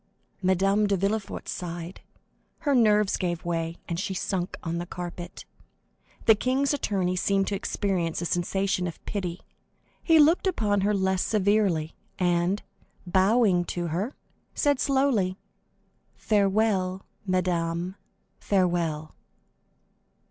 Madame de Villefort sighed; her nerves gave way, and she sunk on the carpet. The king's attorney seemed to experience a sensation of pity; he looked upon her less severely, and, bowing to her, said slowly: "Farewell, madame, farewell!"